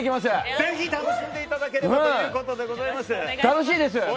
ぜひ楽しんでいただければということで。